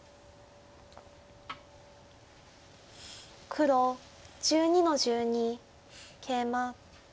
黒１２の十二ケイマ。